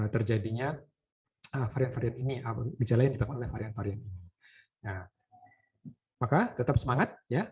terjadinya akhir akhir ini abu abu jalan yang dipakai varian varian maka tetap semangat ya